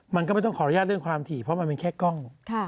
มันก็ไม่ต้องขออนุญาตเรื่องความถี่เพราะมันเป็นแค่กล้อง